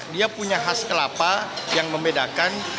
dia punya khas kelapa yang membedakan